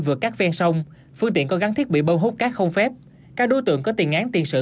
vượt các ven sông phương tiện có gắn thiết bị bâu hút các không phép các đối tượng có tiền án tiền sự